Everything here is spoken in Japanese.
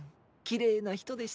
きれいなひとでした。